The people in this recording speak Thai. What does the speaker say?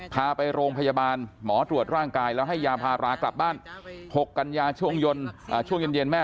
พาไปโรงพยาบาลหมอตรวจร่างกายแล้วให้ยาพารากลับบ้าน๖กันยาช่วงเย็นแม่